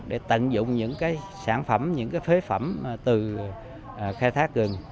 để tận dụng những sản phẩm những phế phẩm từ khai thác rừng